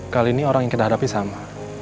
kali ini orang yang kita hadapi sama